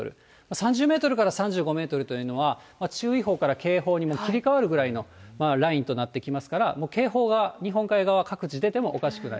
３０メートルから３５メートルというのは、注意報から警報に切り替わるぐらいのラインとなってきますから、もう警報が日本海側、各地出てもおかしくない。